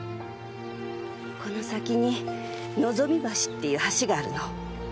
この先にのぞみ橋っていう橋があるの。